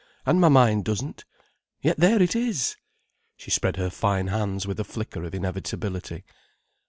And my mind doesn't—yet there it is!" She spread her fine hands with a flicker of inevitability.